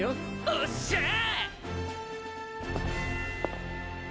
おっしゃー！